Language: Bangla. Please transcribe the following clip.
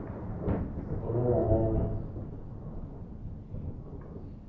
কোনো রাডার নেই।